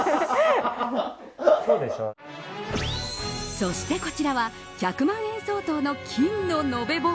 そしてこちらは１００万円相当の金の延べ棒。